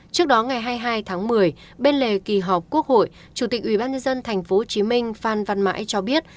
trước đó ngày hai mươi hai tháng một mươi bên lề kỳ họp quốc hội chủ tịch ubnd tp hcm phan văn mãi cho biết